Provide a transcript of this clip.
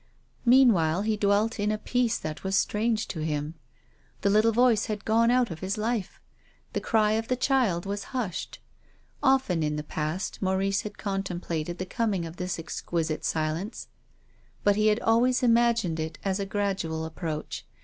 Meanwhile he dwelt in a peace that was strange to him. The little voice had gone out of his life. The cry of the child was hushed. Often, in the past, Maurice had contemplated the coming of this exquisite silence, but he had always imagined it as a gradual approach.